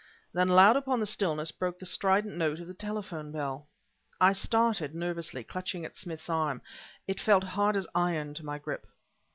Then loud upon the stillness, broke the strident note of the telephone bell. I started, nervously, clutching at Smith's arm. It felt hard as iron to my grip.